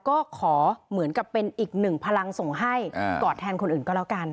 ก็ขอเหมือนกับเป็นอีกหนึ่งพลังส่งให้กอดแทนคนอื่นก็แล้วกัน